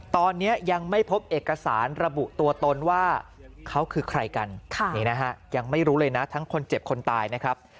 ตอนนี้ยังไม่พบเอกสารระบุตัวตนว่าเขาคือใครกันนี่นะฮะยังไม่รู้เลยนะทั้งคนเจ็บคนตายนะครับ